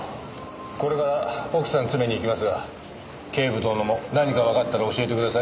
これから奥さん詰めに行きますが警部殿も何かわかったら教えてください。